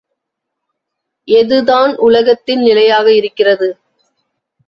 எதுதான் உலகத்தில் நிலையாக இருக்கிறது?